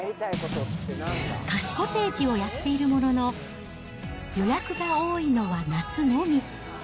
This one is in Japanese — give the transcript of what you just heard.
貸しコテージをやっているものの、予約が多いのは夏のみ。